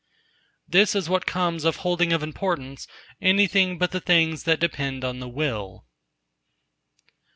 This is what comes of holding of importance anything but the things that depend on the Will.